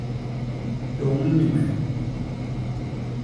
Tôñ ni me!